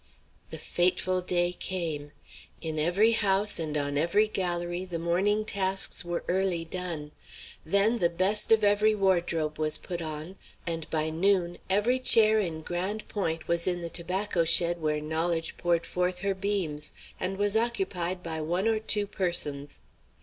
The fateful day came. In every house and on every galérie the morning tasks were early done. Then the best of every wardrobe was put on, the sun soared high, and by noon every chair in Grande Pointe was in the tobacco shed where knowledge poured forth her beams, and was occupied by one or two persons.